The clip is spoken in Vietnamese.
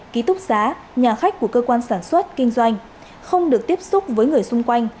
ký túc xá nhà khách của cơ quan sản xuất kinh doanh không được tiếp xúc với người xung quanh